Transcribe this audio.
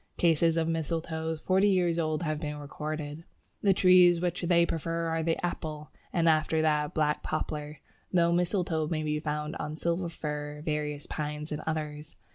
Cases of Mistletoes forty years old have been recorded. The trees which they prefer are the Apple, and after that Black Poplar, though mistletoe may be found on Silver Fir, various Pines, and others.